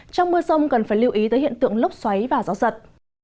trong mưa sông cần phải lưu ý tới hiện tượng lốc xoáy và gió giật